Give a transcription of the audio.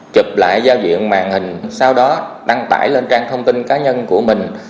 chụp lại giao diện màn hình sau đó đăng tải lên trang thông tin cá nhân của mình